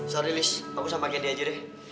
sorry liz aku sama kd aja deh